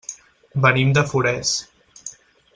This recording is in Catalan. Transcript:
Venim de Forès.